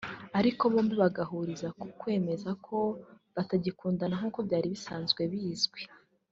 ariko bombi bagahuriza ku kwemeza ko batagikundana nk’uko byari bisanzwe bizwi